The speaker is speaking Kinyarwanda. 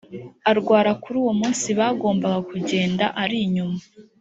arwara kuri uwo munsi bagombaga kugenda ari nyuma